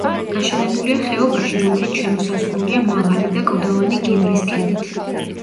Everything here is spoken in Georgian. გაშენებულია ხეობაში, რომელიც შემოსაზღვრულია მაღალი და კლდოვანი გიმრის ქედით.